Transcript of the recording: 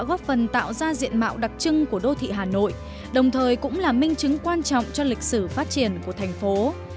góp phần tạo ra diện mạo đặc trưng của đô thị hà nội đồng thời cũng là minh chứng quan trọng cho lịch sử phát triển của thành phố